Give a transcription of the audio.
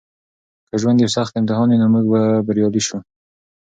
که ژوند یو سخت امتحان وي نو موږ به بریالي شو.